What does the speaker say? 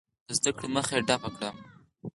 د زده کړو مخه یې ډپ کړه.